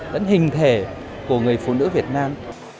đến hình thể của người phụ nữ việt nam